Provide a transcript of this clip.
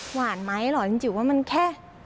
หวานไหมหรือว่าฉันจิบว่ามันแค่